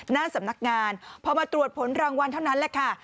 หน้าสำนักงานพอมาตรวจผลรางวัลเท่านั้นแหละค่ะ